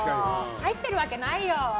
入ってるわけないよ。